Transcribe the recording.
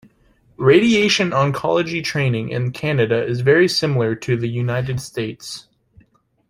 Radiation Oncology training in Canada is very similar to the United States.